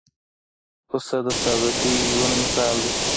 پسه د سادګۍ ژوندى مثال دی.